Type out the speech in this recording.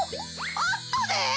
あったで！